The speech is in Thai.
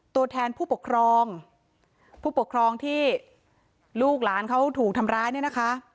ตัวแทนผู้ปกครองผู้ปกครองที่ลูกหลานเขาถูกทำร้ายเนี่ยนะคะ